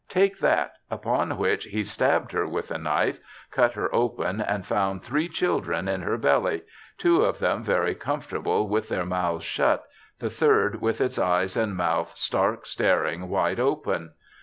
Take that," upon which he stabbed her with the knife, cut her open, and found three children in her belly: two of them very comfortable with their mouths shut, the third with its eyes and mouth stark staring wide open.